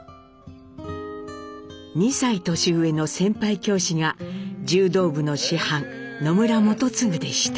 ２歳年上の先輩教師が柔道部の師範野村基次でした。